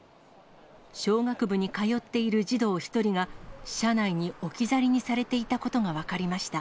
小学部に通っている児童１人が、車内に置き去りにされていたことが分かりました。